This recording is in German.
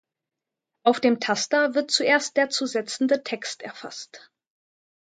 Auf dem Taster wird zuerst der zu setzende Text erfasst.